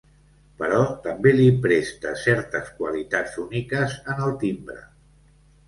Però també li presta certes qualitats úniques en el timbre.